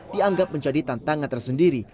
dianggap menjadi tantangan tersendiri